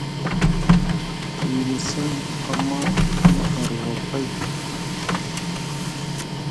Te wiyini seŋ Ama te na arwa pay,